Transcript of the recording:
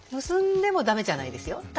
結んでもだめじゃないですよ。